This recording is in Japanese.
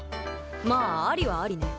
まあありはありね。